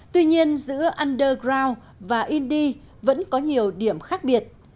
tuy nhiên giữa underground và indie vẫn có nhiều điểm khác biệt